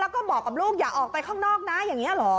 แล้วก็บอกกับลูกอย่าออกไปข้างนอกนะอย่างนี้เหรอ